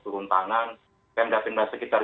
turun tangan pemda pemda sekitar